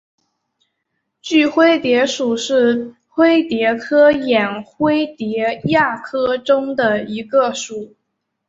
锯灰蝶属是灰蝶科眼灰蝶亚科中的一个属。